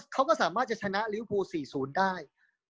เขาก็สามารถจะชนะลิวภู๔๐ได้